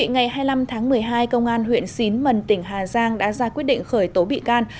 ngày hai mươi năm tháng một mươi hai công an huyện xín mần tỉnh hà giang đã ra quyết định khởi tố bị can